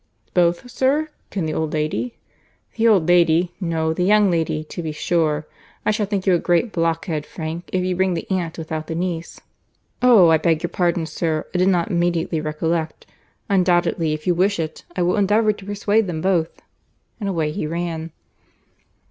"Both sir! Can the old lady?"... "The old lady! No, the young lady, to be sure. I shall think you a great blockhead, Frank, if you bring the aunt without the niece." "Oh! I beg your pardon, sir. I did not immediately recollect. Undoubtedly if you wish it, I will endeavour to persuade them both." And away he ran.